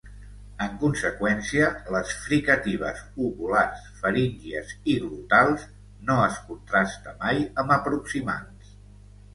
En conseqüència, les fricatives uvulars, faríngies i glotals no es contraste mai amb aproximants.